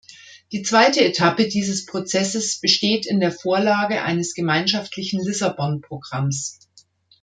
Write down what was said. Die zweite Etappe dieses Prozesses besteht in der Vorlage eines gemeinschaftlichen Lissabon-Programms.